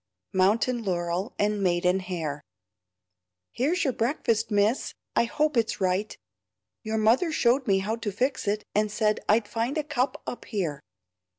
MOUNTAIN LAUREL AND MAIDEN HAIR "Here's your breakfast, miss. I hope it's right. Your mother showed me how to fix it, and said I'd find a cup up here."